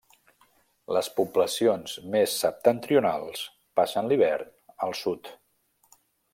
Les poblacions més septentrionals passen l'hivern al sud.